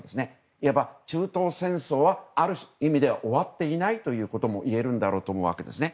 いわば中東戦争は、ある意味では終わっていないということもいえるわけですね。